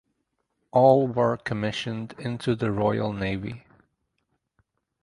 All were commissioned into the Royal Navy.